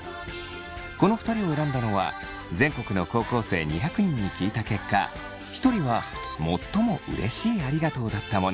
この２人を選んだのは全国の高校生２００人に聞いた結果一人は最もうれしいありがとうだったもの。